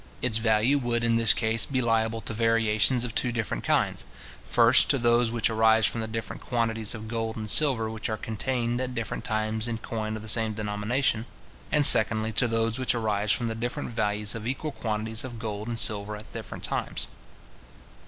Its value would in this case be liable to variations of two different kinds: first, to those which arise from the different quantities of gold and silver which are contained at different times in coin of the same denomination; and, secondly, to those which arise from the different values of equal quantities of gold and silver at different times.